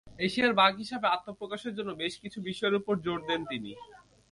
এশিয়ার বাঘ হিসেবে আত্মপ্রকাশের জন্য বেশ কিছু বিষয়ের ওপর জোর দেন তিনি।